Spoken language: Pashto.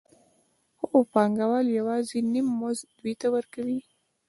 خو پانګوال یوازې نیم مزد دوی ته ورکوي